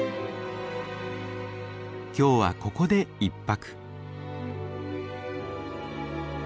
今日はここで１泊。